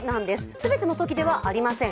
全ての東京ではありません。